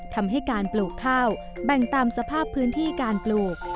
ทำให้การปลูกข้าวแบ่งตามสภาพพื้นที่การปลูก